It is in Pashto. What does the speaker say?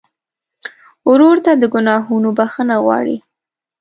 ورور ته د ګناهونو بخښنه غواړې.